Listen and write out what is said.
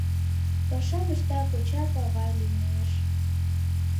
Пашам ышта коча-павай лиймеш.